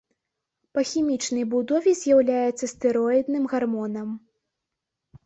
Па хімічнай будове з'яўляецца стэроідным гармонам.